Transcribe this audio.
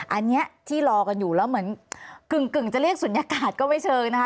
อันนี้ที่รอกันอยู่แล้วเหมือนกึ่งจะเรียกศูนยากาศก็ไม่เชิงนะคะ